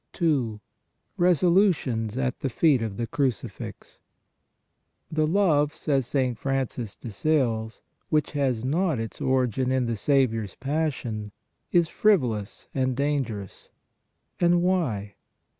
2. RESOLUTIONS AT THE FEET OF THE CRUCIFIX. " The love," says St. Francis de Sales, " which has not its origin in the Saviour s passion is frivolous and dangerous." And why?